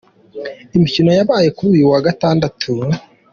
Imikino yabaye kuri uyu wa Gatandatu:.